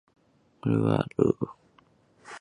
谭家有几百亩田地和一家米店。